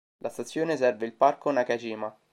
La stazione serve il parco Nakajima.